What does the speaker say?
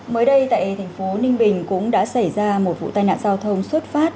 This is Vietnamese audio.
mới đây tại thành phố ninh bình cũng đã xảy ra một vụ tai nạn giao thông xuất phát